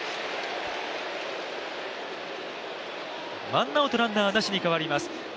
ワンアウトランナーなしに代わります。